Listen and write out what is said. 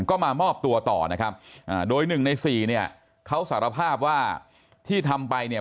ก็มามอบตัวต่อนะครับโดย๑ใน๔เขาสารภาพว่าที่ทำไปเนี่ย